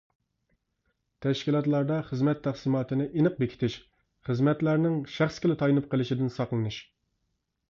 تەشكىلاتلاردا خىزمەت تەقسىماتىنى ئېنىق بېكىتىش، خىزمەتلەرنىڭ شەخسكىلا تايىنىپ قېلىشىدىن ساقلىنىش.